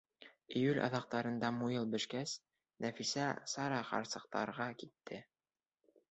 Июль аҙаҡтарында муйыл бешкәс, Нәфисә Сара ҡарсыҡтарға китте.